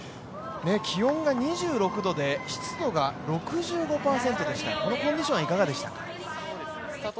気温が２６度で湿度が６５％でした、このコンディションはいかがでしたか？